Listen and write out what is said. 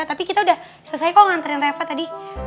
tapi kita udah selesai kok nganterin reva tadi